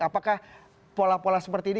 apakah pola pola seperti ini